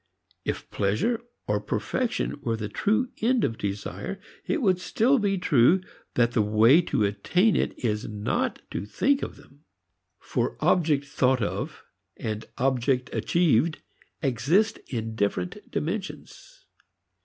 If pleasure or perfection were the true end of desire, it would still be true that the way to attainment is not to think of them. For object thought of and object achieved exist in different dimensions.